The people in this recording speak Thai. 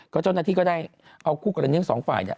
เขาเจ้าหน้าที่ก็ได้เอาคู่กรรณานิตย์๒ฝ่าย